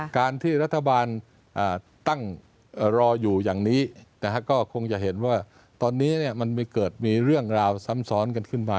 การที่รัฐบาลตั้งรออยู่อย่างนี้ก็คงจะเห็นว่าตอนนี้มันเกิดมีเรื่องราวซ้ำซ้อนกันขึ้นมา